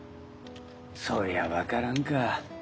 そりゃ分からんか。